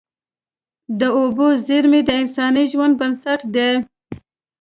د اوبو زیرمې د انساني ژوند بنسټ دي.